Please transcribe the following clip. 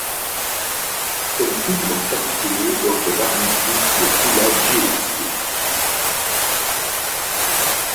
Celle-ci doit capituler lors de l'armistice de Villa Giusti.